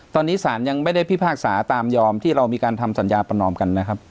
ตอนนี้สารยังไม่ได้พิพากษาตามยอมที่เรามีการทำสัญญาประนอมกันนะครับ